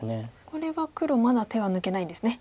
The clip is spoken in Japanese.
これは黒まだ手は抜けないんですね。